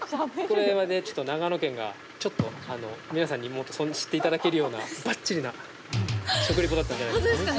これはね、ちょっと長野県が皆さんにも知っていただけるようなばっちりな食リポだったんじゃないですか。